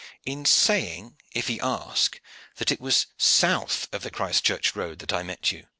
"In saying, if he ask, that it was south of the Christchurch road that I met you.